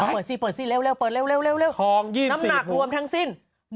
เปิดสิเร็วน้ำหนักรวมทั้งสิ้น